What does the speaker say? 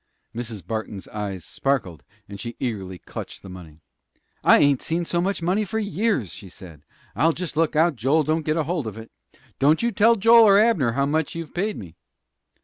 Mrs. Barton's eyes sparkled, and she eagerly clutched the money. "I ain't seen so much money for years," she said. "I'll jest look out Joel don't get hold of it. Don't you tell Joel or Abner how much you've paid me."